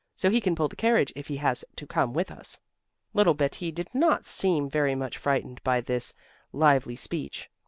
So he can pull the carriage if he has to come with us." Little Betti did not seem very much frightened by this lively speech.